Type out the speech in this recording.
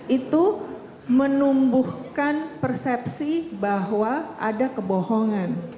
itu menumbuhkan persepsi bahwa ada kebohongan